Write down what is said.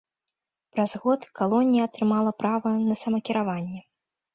Праз год калонія атрымала права на самакіраванне.